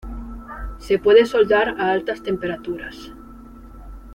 Se puede soldar a altas temperaturas.